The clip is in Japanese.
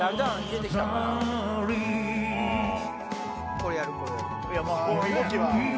これやるこれやる。